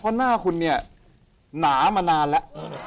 เพราะหน้าคุณเนี่ยหนามานานแล้ว